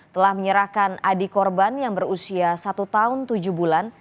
telah menyerahkan adik korban yang berusia satu tahun tujuh bulan